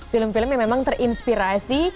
film film yang memang terinspirasi